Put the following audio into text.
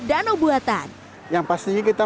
danau buatan yang pastinya kita